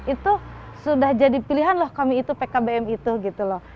itu sudah jadi pilihan loh kami itu pkbm itu gitu loh